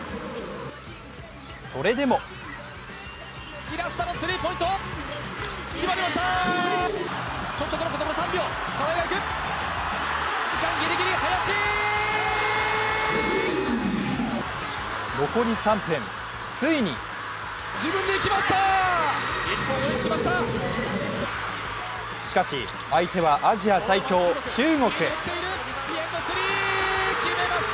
それでも残り３分、ついにしかし、相手はアジア最強・中国。